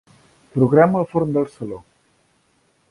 Programa el forn del saló.